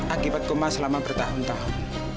akibat koma selama bertahun tahun